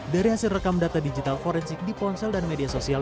dari hasil rekam data digital forensik di ponsel dan media sosial